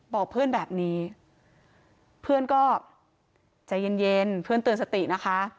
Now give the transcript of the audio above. บอกเพื่อนแบบนี้เพื่อนก็ใจเย็นเพื่อนเตือนสตินะคะ